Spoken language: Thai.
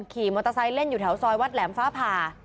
ขี่มอเตอร์ไซค์เล่นอยู่แถวซอยวัดแหลมฟ้าผ่า